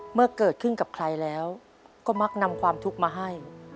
เมื่อเกิดขึ้นกับใครแล้วก็มักนำความทุกข์มาให้